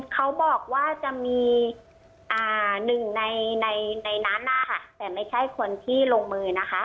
เขาบอกว่าจะมีหนึ่งในในนั้นนะคะแต่ไม่ใช่คนที่ลงมือนะคะ